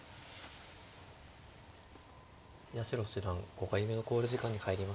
八代七段５回目の考慮時間に入りました。